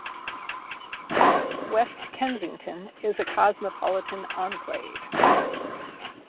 West Kensington is a cosmopolitan enclave.